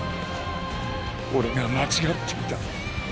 俺が間違っていた。